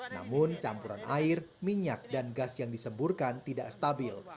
namun campuran air minyak dan gas yang disemburkan tidak stabil